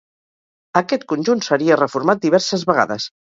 Aquest conjunt seria reformat diverses vegades.